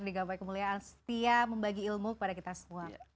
di gapai kemuliaan setia membagi ilmu kepada kita semua